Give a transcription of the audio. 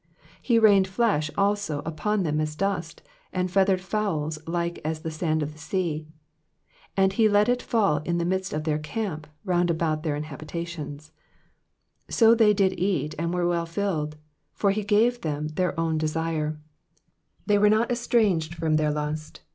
27 He rained flesh also upon them as dust, and feathered (owls like as the sand of the sea : 28 And he let it fall in the midst of their camp, round about their habitations. Digitized by VjOOQIC 436 EXPOSITIONS OP THB PSALMS. 29 So they did eat, and were well filled : for he gave them their own desire ; 30 They were not estranged from their lust.